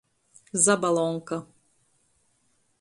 Zabalonka.